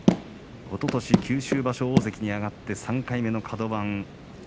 おととし九州場所大関に上がって３回目のカド番。